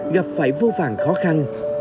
gặp phải vô vàng khó khăn